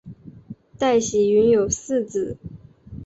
戴喜云有四子。